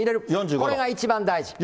これが一番大事。